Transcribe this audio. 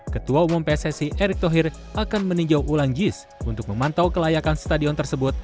ketua umum pssi erick thohir akan meninjau ulang jis untuk memantau kelayakan stadion tersebut